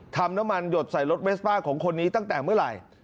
ทำน้ำมันหยดใส่รถเมสป้าของคนนี้ตั้งแต่เมื่อไหร่